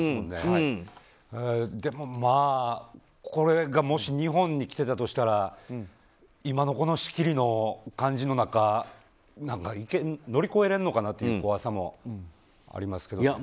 でも、まあこれがもし日本に来てたとしたら今のこの仕切りの感じの中乗り越えれるのかなっていう怖さもありますけど。